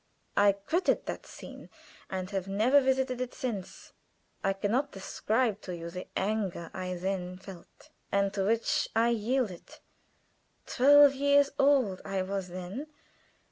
I quitted that scene and have never visited it since. I can not describe to you the anger I then felt, and to which I yielded. Twelve years old I was then.